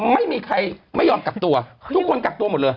ไม่มีใครไม่ยอมกักตัวทุกคนกักตัวหมดเลย